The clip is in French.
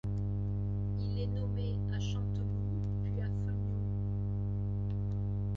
Il est nommé à Chanteloup, puis à Fenioux.